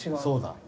そうだ